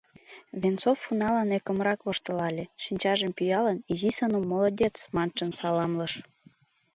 Венцов уналан ӧкымрак воштылале, шинчажым пӱялын, изи Санум «Молодец!» маншын саламлыш.